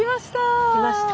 来ました！